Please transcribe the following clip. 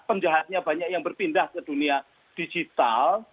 penjahatnya banyak yang berpindah ke dunia digital